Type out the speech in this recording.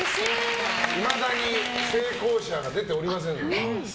いまだに成功者が出ておりません。